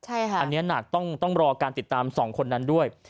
อันนี้หนักต้องรอการติดตาม๒คนนั้นด้วย